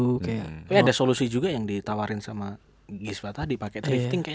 tapi ada solusi juga yang ditawarin sama giswa tadi pakai thrifting